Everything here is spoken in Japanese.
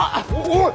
おい！